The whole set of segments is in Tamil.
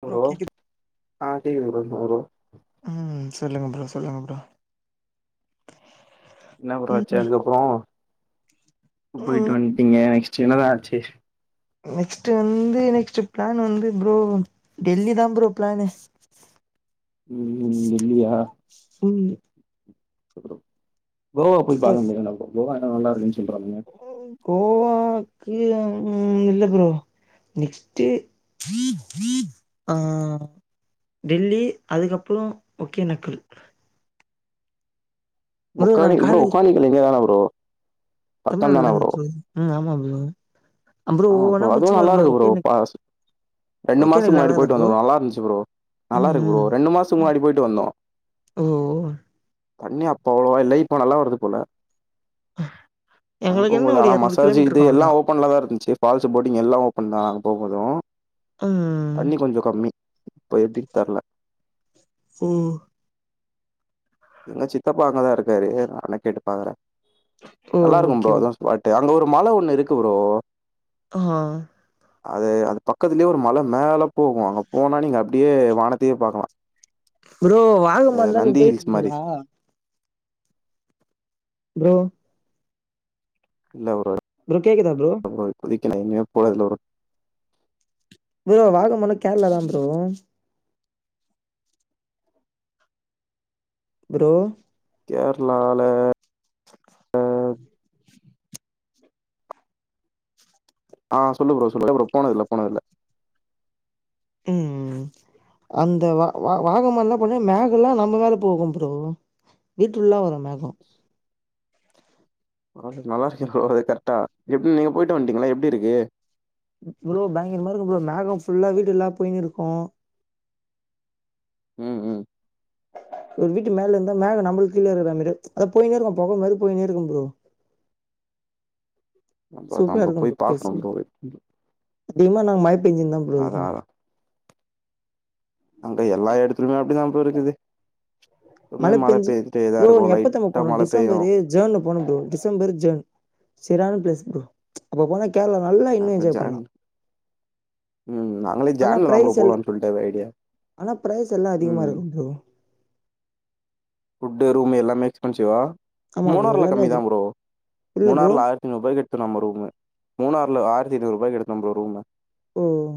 ப்ரோ ஹா கேக்குதுங் ப்ரோ ம் சொல்லுங்க ப்ரோ சொல்லுங்க ப்ரோ என்ன ப்ரோ ம் ஆச்சு அதுக்கப்றோ போய்ட்டு ம் வன்டீங்க நெக்ஸ்ட் என்னதா ஆச்சு நெக்ஸ்ட் வந்து நெக்ஸ்ட் பிளான் வந்து ப்ரோ டெல்லிதா ப்ரோ பிளானு [inaudible] ம் இல்லியா பொய் கோவா போய் சரி பாருங் ப்ரோ [unintelligible] கோவா எல்லா நல்லா இருக்குன் சொல்றானுங்க கோவாக்கு ஆ ம் இல்ல ப்ரோ நெக்ஸ்ட் ஆ டெல்லி அதுக்கப்பறோ ஒக்கேனக்கல் நாங்க ஒக்கானிகல் ப்ரோ காலேஜ் ஒக்கானிக்கல் இங்கதானே ப்ரோ தமிழ்நாடு பக்கம் தான இல்லங்க ப்ரோ அதுகி ம் ஆமா ப்ரோ ஆமா ஒவ்வொன்னா ப்ரோ அதுவு முச்சுன்னு வர நல்லா இருக்கு ப்ரோ ஒகேனக் பாசு ரெண்டு மாசத்துக்கு ஒகேனக்கல் முன்னாடி அழகா போயிட்டு ப்ரோ வந்தோ நல்லா இருந்துச்சு ப்ரோ நல்லா ம் இருக்கு ப்ரோ ரெண்டு மாசத்துக்கு ம் முன்னாடி போயிட்டு வந்தோ ஓ தண்ணி அப்ப அவ்ளவா இல்ல இப்போ நல்லா வருது போல நிங்க எங்களுக்கு என்ன போகும்போது ஒரு ஆனா எரநூறு மசாஜ் கிலோமீட்டர் இது இருக்கு எல்லா அவ்ளோதா ஓப்பன்லதா இருந்துச்சு ஃபால்ஸு, போர்டிங் எல்லா ஓப்பன்தா நாங்க போ போது ம் தண்ணி கொஞ்சோ கம்மி இப்ப எப்டின்னு தெர்ல ஓ எங்க சித்தப்பா அங்கதா இருக்காரு ஆனா கேட்டு பாக்குறே ஓ நல்லா இருக்கும் ஓகே ப்ரோ அதா ஸ்பாட்டு அங்க ஒரு மல ஒண்ணு இருக்கு ப்ரோ ஆஹ் அது அது பக்கத்துலயே ஒரு மல மேல போகு அங்க போனா நீங்க அப்டியே வானத்தையே பாக்கலா ப்ரோ இந்த வாகமான்லா நீங்க நந்தி ஹில்ஸ் மாரி போயிருக்கீங்ளா ப்ரோ இல்ல ப்ரோ கேக்குதா ப்ரோ கே எங்கேயுமே போனதில்ல ப்ரோ ப்ரோ வாகமானா கேரளாதா ப்ரோ ப்ரோ கேர்ளால அ ஆ சொல்லு ப்ரோ சொல்லு [unintelligible] போனதில்ல போனதில்ல ம் அந்த வா வா வாகமானு என்ன பண்ணு மேகோ எல்லா நம்ம மேல போகும் ப்ரோ வீட்டுள்ள வரு மேகோ பரவால்ல நல்லா இருக்கேன் ப்ரோ அது கரெக்டா எப்டி நீங்க போயிட்டு வந்ட்டீங்ளா எப்டி இருக்கு ப்ரோ பயங்கரமா இருக்கும் ப்ரோ மேகோ ஃபுல்லா வீடெல்லா போயின்னுருக்கு ம் ம் ஒரு வீட்டு மேல இருந்தா மேக நம்மளுக்கு கீழ இருக்கிற மாரி அது போய்னே இருக்கும் பொக மாரி போய்னே இருக்கும் ப்ரோ நம்பரதான் சூப்பரா ப்ரோ இருக்கு போய் பாக்கணு பிளேஸு ப்ரோ அதிகமா நாங் மழைபெஞ்சுதா ப்ரோ அதா இருக்கு அதா அங்க எல்லா எடுத்திலயுமே அப்டிதான் ப்ரோ இருக்குது எப்பவுமே மழை மழ பேஞ்சு பெஞ்சுட்டேதா ப்ரோ நீ இருக்கு எப்பத்தெம்மா லைட்டா போன மழ பெய்யு டிசம்பரு ஜேர்ன்ல போன ப்ரோ டிசம்பர் ஜேர்ன் சரியான ப்ளேஸ் ப்ரோ அப்ப போனா கேரளா நல்லா இன்னு நாங்க என்ஜாய் ஜான் பண்லா ம் நாங்களே ஆனா ஜேன்லதா ப்ரோ பிரைஸ் எல் போலான் சொல்ட்டு ஒரு ஐடியா ஆனா ப்ரைஸ் எல்லா அதிகமா ம். இருக்கு ப்ரோ ஃபுட்டு ரூமு எல்லாமே எக்ஸ்பென்சிவா ஆமா ப்ரோ மூணார்ல எல்லாமே கம்மி தா அதிக ப்ரோ இல்ல ப்ரோ மூணார்ல ஆயிரத்தி நூறுபாய்க்கு எடுத்துர்லா ம ரூமு மூணார் இல்ல ஆயிரத்தி இருநூறுவாய்க்கு எடுத்த ப்ரோ ரூமு ம்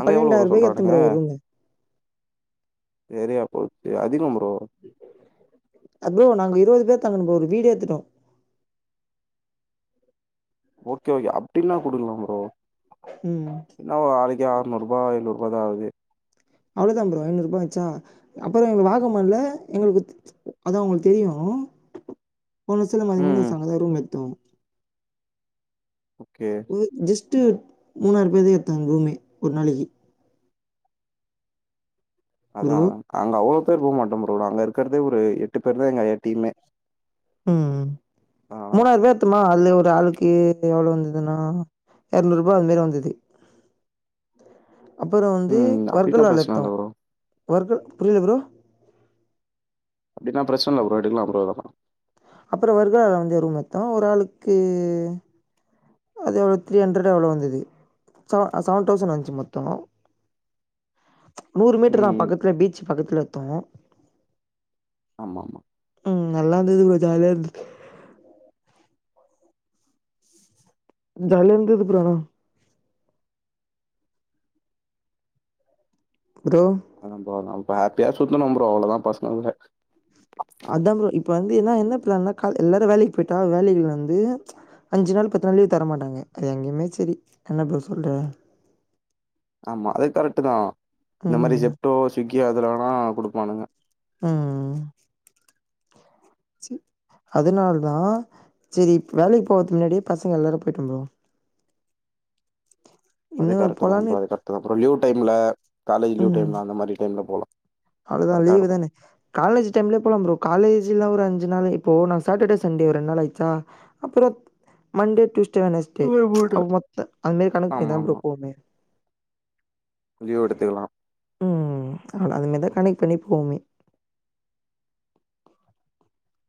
அங்க எவ்ள ப்ரோ எடுத்தோ சொல்றானுங்க ப்ரோ ஒரு ரூமு சரியாப்போச்சு அதிக ப்ரோ அ ப்ரோ நாங்க இருவது பேர் தங்குன ப்ரோ ஒரு வீடே எடுத்துட்டோ ஓகே ஓகே அப்டினா குடுக்கலா ப்ரோ ம் என்ன ஒர் நாளைக்கு ஆ ர்நூறுபா ஐநூறுபாதா ஆகுது அவ்ளதா ப்ரோ ஐநூறுபா ஆச்சா அப்பற இங்க வாகமான்ல எங்ளுக்கு த் த் அதா உங்ளுக்கு தெரியு போன வருஷலா ம், பாத்திங்கனா ம். ச அங்கதா ரூம் எடுத்தோ ஓகே. ம் ஜஸ்ட் மூனாயிருபாய்க்தா எத்தோ ரூமே ஒரு நாளைக்கு அதா ப்ரோ நாங்க அவ்ளோ பேர் போ மாட்டோ ப்ரோ நாங்க இருக்றதே ஒரு எட்டு பேருதா எங்க டீமே ம் அதனால தான். மூணாயிருபாய்க் எத்துமா அதுலயு ஒரு ஆளுக்கு எவ்ள வந்துதுனா எரநூறுபா அது மாரி வந்துது அப்பறொ வந்து ம். அப்டின்னா வர்கலால பிரச்சன எத்தோ இல்ல ப்ரோ. வர்கல் புரில ப்ரோ அப்டினா பிரச்ன இல்ல ப்ரோ எடுக்கலா ப்ரோ ரக அப்பற வர்கால வந்து ரூம் எத்தோ ஒரு ஆளுக்கு அது ஒரு த்ரீ ஹண்ட்ரட் எவ்வளோ வந்துது செவ செவன் தௌசண்ட் வந்துச்சு மொத்த நூறு மீட்டர் தா ம். பக்கத்துல பீச் பக்கத்துல எத்தோ ஆமாமா ம் நல்லாருந்தது ப்ரோ ஜாலியா இருந்த ஜாலியா இருந்துது ப்ரோ ஆனா ப்ரோ அதா ப்ரோ நாம ஹேப்பியா சுத்துனோ ப்ரோ அவ்ளதா பசங்களோட அதான் ப்ரோ இப்போ வந்து என்ன என்ன கால் எல்லாரு வேலைக்கு போய்ட்டா வேலைக்கு வந்து அஞ்சு நாள் பத்து நாள் லீவ் தர மாட்டாங்க அது எங்கயுமே செரி என்ன ப்ரோ சொல்ற [unintelligible] ஆமா அது கரெக்ட் தா இந்த மாரி ம் செப்டோ ஸ்விக்கி அதுல வேனா குடுப்பானுங்க ம் ச் அதனால் தா செரி வேலைக்கு போறதுக்கு முன்னாடியே பசங்க எல்லாரு போயிட்டு வந்துர்வோ அது கரட்டுதா போலான்னு ப்ரோ அது கரட்டுதா ப்ரோ லீவ் டைம்ல காலேஜ் லீவ் டைம்ல அந்த மாரி டைம்ல போலா அது நா லீவ் தான காலேஜ் டைம்லயே போலாம் ப்ரோ காலேஜ்ல ஒரு அஞ்சு நாளு இப்போ நா சாட்டர்டே சண்டே ஒரு ரெண்டு நாள் ஆயிச்சா அப்புற மண்டே ட்யூஸ்டே வெனஸ்டே லீவ் போட்டு அ மொத்த அது மாரி கணக்கு ஆமா, பண்ணிதா ப்ரோ போவே லீவு எடுத்துக்லா ம் அவ்ளோ அது மாரி தான் கணக்கு பண்ணி போவுமே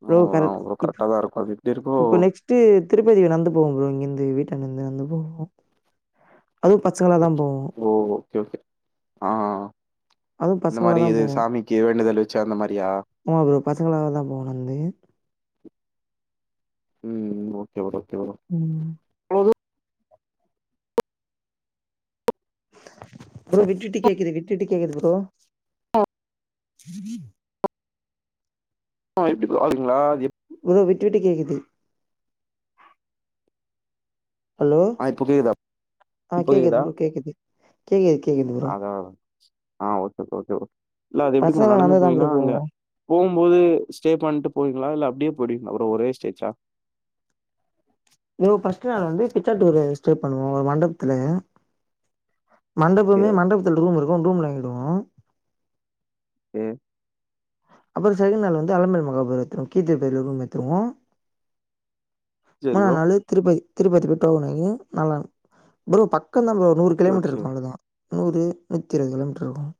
ஆமா ப்ரோ ஆமா ப்ரோ கரெக்டாதா இருக்கு அது எப்டி இருக்கோ இப்ப நெக்ஸ்ட் திருப்பதிக்கு நடந்து போவோ ப்ரோ இங்கிர்ந்து வீட்டான்ட இர்ந்து நடந்து போவோ ஓ ஓகே ஓகே ஆ அதுவும் இந்த பசங்களா மாரி தான் இது போவோம் சாமிக்கு வேண்டுதல் வெச்சு அந்த மாரியா பசங்களாலதா போவோ நந்து ம் ஓகே ரோ ஓகே ம் ஆஹ ப்ரோ விட்டுட்டு கேக்குது விட்டுட்டு கேக்குது ப்ரோ சிர [unintelligible] ஆஹ் எப்டி ப்ரோ நல்லாருக்கிங்களா உ விட்டுவிட்டு கேக்குது ஆஹ் இப்போ கேக்குதா ஆ இப்போ கேக்குது கேக்குதா ப்ரோ கேக்குது கேக்குது கேக்குது ப்ரோ அத ஆஹ ஓகே ப்ரோ ஓகே ப்ரோ இல்ல அது எப்படி ப்ரோ பசங்க நடந்து நடந்துதா போனிங்னா ப்ரோ போவோ அங்க போகும்போது ஸ்டே பண்ணிட்டு போவீங்களா இல்ல அப்படியே போயிடுவிங்களா அப்புறம் ஒரே ஸ்டேஜா இ பர்ஸ்ட் நாள் வந்து பிச்சாடூரு ஸ்டே பண்ணுவோம் ஒரு மண்டபத்துல ஓகே, மண்டபமே மண்டபத்துல ரூம் இருக்கும் ரூம்லதங்கிடுவோம் [unintelligible] அப்புறம் செகன்ட் நாள் வந்து அலம்பர் மகாபூர் வந்துரும் கீத்த பேரலக்கும் வத்துருவோம் சரி மூணாம் ப்ரோ. நாளு திருப்பதி திருப்பதி [unintelligible] நல்லருக்கும் ஃப்ரோ பக்க பக்கந்தாம்ப்ரோ ஒரு நூறு ஓகே, கிலோமீட்டரு ஓகே. இருக்கும் அவ்வளோதான் நூறு நூற்றி இருபது கிலோமீட்டரு இருக்கும்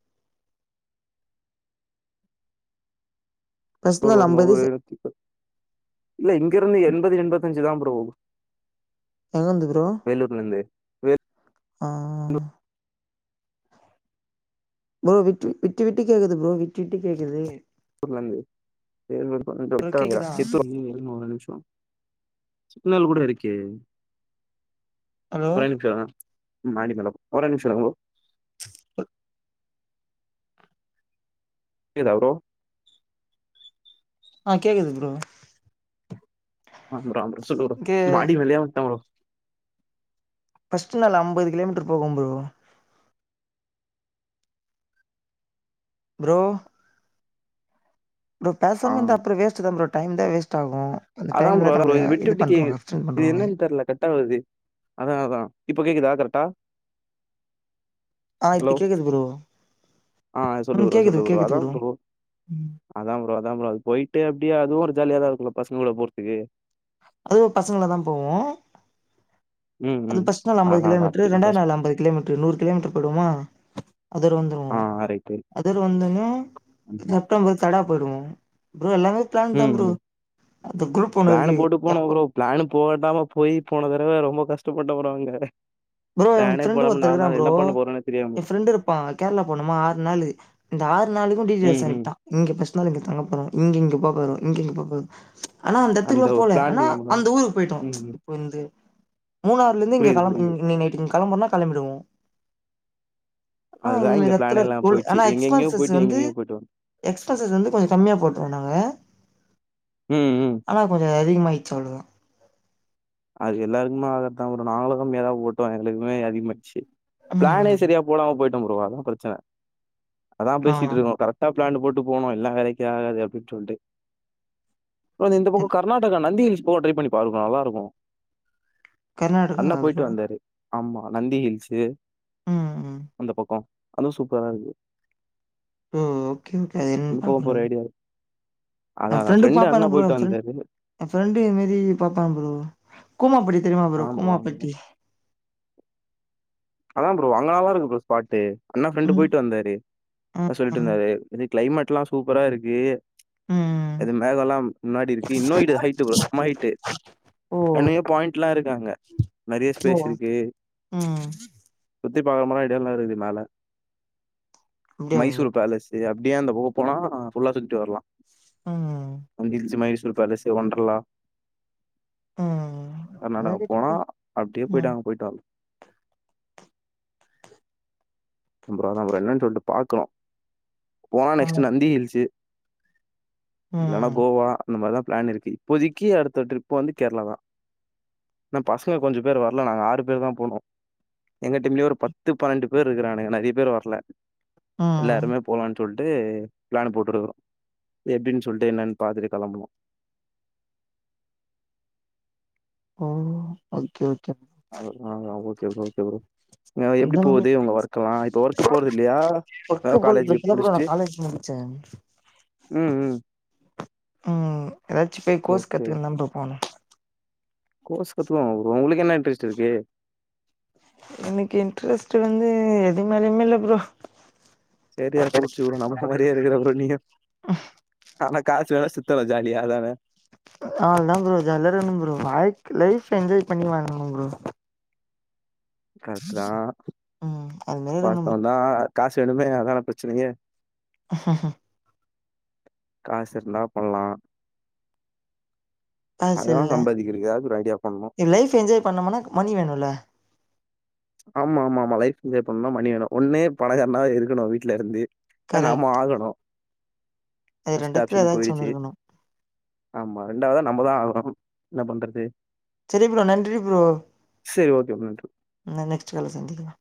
ஃபர்ஸ்ட் ஒரு நாள் அம்பது நூறு செ இல்ல இங்க இருந்து எண்பது எண்பத்தஞ்சு தான் ப்ரோ கூட போகும் எங்கருந்து வேலூர்லருந்து வே ஆஹ் ப்ரோ விட்டுவிட்டு விட்டுவிட்டு கேக்குது ப்ரோ விட்டு விட்டு கேக்குது [unintelligible] ப்ரோ கேக்குதா சித்து நிமிஷம் சிக்னள் கூட இருக்கே ஹலோ ஒரே நிமிசம் மாடி மேல ஒரே நிமிஷம் இருங்கோ கேட்குதா ப்ரோ ஆஹ் கேக்குது ப்ரோ [unintelligible] சொல்லு கே மாடி மேலயே உட்டான் ப்ரோ ஃபர்ஸ்ட் நாளு அம்பது கிலோமீட்டர் போகும் ப்ரோ ப்ரோ ப்ரோ ஆ. பேசாமே இருந்த அப்பறம் வேஸ்ட் தான் ப்ரோ டைம் தான் வேஸ்ட் ஆகும் அந்த அதான் ப்ரோ டைம்ல அத நம்மள விட்டு இது விட்டு பண்றுவாங்க கேக்குது அப்சென்ட் இது பண்றுவாங்க என்னன்னு தெர்ல கட்டாவது அதா அதா இப்ப கேக்குதா கரெக்டா ஆஹ் இப்ப கேக்குது ப்ரோ ஆஹ் சொல்லு ம் ப்ரோ சொல்லு கேக்குது ப்ரோ கேக்குது அதா ப்ரோ ம் அதான் ப்ரோ அதான் ப்ரோ அது போயிட்டு அப்படியே அதுவும் ஒரு ஜாலியாதான் இருக்குல பசங்க கூட போறதுக்கு அது பசங்களாதா போவோம் ம், அது ம். பர்ஸ்ட் நாள் அம்பது அதான், அதான். கிலோமீட்டர் அப்படின்னா ரெண்டாவது ஃபர்ஸ்ட் நாள் அம்பது கிலோமீட்டரு நூறு கிலோமீட்டர் போயடுமா அதுரு ஆ வந்துருவோம் ரைட்டு. அதுரு வந்தோன்ன ஆமா. செப்டம்பரு தடா போயிடுவோம் ப்ரோ எல்லாமே பிளான் தான் உம் ப்ரோ அந்த குரூப் ஒண்ணு பிளான் இருக்கு போட்டு போனே எப்போ ப்ரோ பிளான் போடமா போயி போன தடவ ரொம்ப கஷ்டப்பட்டேன் ப்ரோ அங்க ப்ரோ எங்க பிளானே ஃப்ரெண்டு போடாம ஒருத்தன் இருக்கறான் நாள் ப்ரோ என்ன பண்ண போறோம்னே தெரியாம. என் ஃப்ரெண்டு இருப்பான் கேரளா போனுமா ஆறு நாள் இந்த ஆறு நாளைக்கும் ம், டிடீயல்ஸ் ம். அனுப்பிட்டான் அனுப்புற இங்க இங்க போகணும் இங்கங்க போகது ஆனா அந்த இடத்துக்கெல்லாம் ஒரு போலா பிளான் ஆனா இல்லாம தான் அந்த ஊருக்கு போயிட்டோம் ம், ம். இப்போந்து மூணாருல இருந்து இங்க புரியுது, கிளம்பு புரியுது. கிளம்பறனா கிளம்பிடுவோம் ஆனா இந்த அதுதான் மாரி இங்க பிளான் எடத்துல இல்லாம உ போயிடுச்சு. ஆனா எங்கெங்கேயோ எக்ஸ்பென்சஸ் போயிட்டு வந்து எங்கெங்கேயோ போயிட்டு வந்தோம். எக்ஸ்பென்சஷ் வந்து கொஞ்சம் கம்மியா போட்டுருவோம் நாங்க ம், ம். ஆனா கொஞ்சம் அதிகமா ஆச்சு அவ்ளோ தான் அது எல்லாருக்குமே ஆகற தான் ப்ரோ நாங்களுக்கும் மேலாவ போட்டோம் எங்களுக்குமே அதிக மாச்சி பிளானே ம் சரியா போடாம போயிட்டோம் ப்ரோ அதான் பிரச்சனை அதான் ஆ பேசிட்டு இருக்கோம் கரெக்டா பிளான் போட்டு போனோம் இல்லன்னா வேலைக்கு ஆகாது அப்படின்னு சொல்லிட்டு ஓ அது இந்த பக்கம் கர்நாடகா நந்தி ஹில்ஸ் போக ட்ரை பண்ணி பாருங்க நல்ல இருக்கும் கர்நாடக [unintelligible] வந்தாரு. ஆமா நந்தி ஹில்ஸு ம் ம் அந்த பக்கோ அதுவு சூப்பரா தா இருக்கு ஓ ஓகே ஓகே அது அந்த என்னன்னு பக்கம் பாக்கணு போற ஐடியா இருக்கு. எ அதான் அதான் ப்ரெண்டு ஃப்ரெண்டு பாப்பா அண்ணா தா ப்ரோ எ போயிட்டு ஃபிரண் வந்தாரு. என் ஃபிரண்ட்ட இது மாரி பாப்பா ப்ரோ கூமாப்பட்டி தெரியுமா ப்ரோ ஆமா ஆமா. கூமாப்பட்டி அதா ப்ரோ அங்க நல்லாருக்கு ப்ரோ ஸ்பாட்டு அண்ணா ஃப்ரெண்டு ம் போயிட்டு வந்தாரு சொல்லிட்டு ம் இருந்தாரு க்ளைமேட் எல்லா சூப்பரா இருக்கு ம் ம் அது மேக எல்லா முன்னாடி இருக்கு இன்னோ ஹைட்டு சம்ம ஹைட்டு ஓ என்னையோ பாயிண்ட் எல்லா இருக்கு அங்க நெறய ஓ ஸ்பேஸ் இருக்கு ம் சுத்தி பாக்கற மாரி எடெல்லா இருக்கு மேல அப்டியா ப்ரோ மைசூர் பேலஸ் இது அப்டே அந்த பக்கோ போனா ஃபுல்லா சுத்திட்டு வரலா ம் [unintelligible] மயில்ஸ் [unintelligible] ஒண்டர்லா ம் எதா கர்நாடக கேட்டு போனா ப்ரோ அப்டே போய்ட்டு ம் அங்க போய்ட்டு வரலா ப்ரோ அதா ப்ரோ என்னன்னு சொல்ட்டு பாக்கறோ போனா ஆமா நெக்ஸ்ட் நந்தி ஹில்ஸு இல்லன்னா ம் கோவா அந்த மாரிதா ப்ளான் இருக்கு இப்போதிக்கு அடுத்த ட்ரிப் வந்து கேரளா தா அனா பசங்க கொஞ்ச பேர் வரல நாங்க ஆறு பேர் தா போனோ எங்க டீம்லயே ஒரு பத்து பன்னெண்டு பேர் இருக்கிறானுங்க நெறிய பேர் வர்ல ம் எல்லாருமே போலா சொல்ட்டு பிளான் அ போட்டுருக்குரோ எப்டினு சொல்ட்டு என்னன்னு பாத்துட்டு கெளம்புனு உம் ஓகே ஓகே அஹ் ஓகே ஓகே ப்ரோ எப்டி அதா ப்ரோ போது உங்க ஒர்க் எல்லா இப்ப ஒர்க்கு போறது இல்லையா பக்க வெறும் காலேஜ் [unintelligible] நா காலேஜ் முடிச்ச உம் உம் உம் எதாச்சு போய் கோர்ஸ் கத்துக்குனு தா ப்ரோ போனு கோர்ஸ் கத்துகுலா ப்ரோ உங்களுக்கு என்ன இன்ட்ரெஸ்ட் இருக்கு எனக்கு இன்ட்ரெஸ்ட் வந்து எது மேலயுமே இல்ல ப்ரோ சரியா போச்சி ப்ரோ நம்மல மாரியே இருக்கற ப்ரோ நீங்க ஆனா காசு வேணு சுத்தனு ஜாலியா அதான அவ்ளதா ப்ரோ ஜாலியா இருக்கனு ப்ரோ வாழ்க் லைஃப்ல வந்து என்ஜாய் பண்ணி வாழனு ப்ரோ கரட்டு தா ம் அது மாரி வாஸ்தவ இருக்கணு தா காசு வேணுமே அதான பிரச்சனையே ஹஹ காசு இருந்தா பண்லா காசு அததா இல்ல சம்பாதிக்கிறதுக்காவது ஒரு ஐடியா பண்ணு லைஃப் என்ஜாய் பண்ணோம்னா மணி வேணும்ல ஆமா ஆமா ஆமா லைஃப் என்ஜாய் பண்ணும்னா மணி வேணு ஒன்னு பணக்காரனா இருக்கணு வீட்ல இருந்து நம்ம கரெக்ட் ஆகணு அது ஃபஸ்ட் ரெண்டுத்துல ஆப்ஷன் ஏதாச்சும் ஒண்ணு போயிடுச்சு இருக்கணும் ஆமா ரெண்டாவதா நம்மதா ஆகணு என்ன பண்றது சரி ப்ரோ நன்றி ப்ரோ சரி ஓகே. ந நெக்ஸ்ட் கால்ல சந்திக்கலா